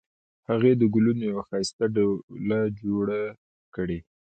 هغې د ګلونو یوه ښایسته ډوله جوړه کړې